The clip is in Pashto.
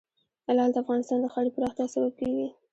لعل د افغانستان د ښاري پراختیا سبب کېږي.